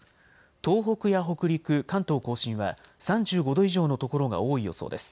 東北や北陸、関東甲信は３５度以上の所が多い予想です。